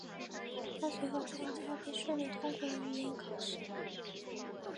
他随后参加并顺利通过了语言考试。